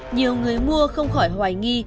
nhiều người mua không khỏi hoài nghi